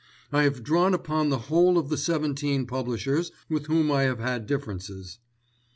I have drawn upon the whole of the seventeen publishers with whom I have had differences.